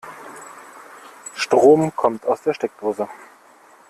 Strom kommt aus der Steckdose.